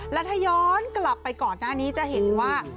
และถ้าย้อนกลับไปก่อนหน้านี้จะเห็นว่า